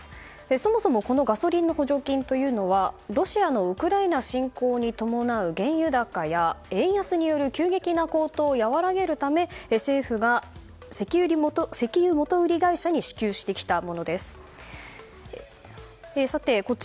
そもそも、このガソリンの補助金というのはロシアのウクライナ侵攻に伴う原油高や円安による急激な高騰を和らげるため政府が石油元売り会社に支給してきたものです。